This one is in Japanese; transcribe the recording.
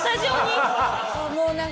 もう何か。